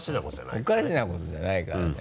おかしなことじゃないからね。